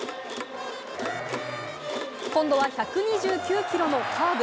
今度は１２９キロのカーブ。